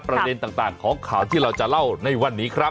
ประเด็นต่างของข่าวที่เราจะเล่าในวันนี้ครับ